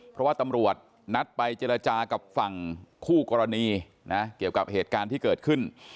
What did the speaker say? เพราะว่าตำรวจนัดไปเจรจากับฝั่งคู่กรณีนะเกี่ยวกับเหตุการณ์ที่เกิดขึ้น